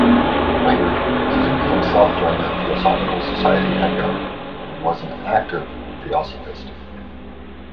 Later Suzuki himself joined the Theosophical Society Adyar and was an active Theosophist.